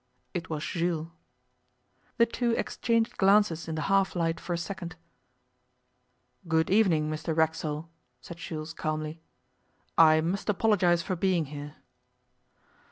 It was Jules. The two exchanged glances in the half light for a second. 'Good evening, Mr Racksole,' said Jules calmly. 'I must apologize for being here.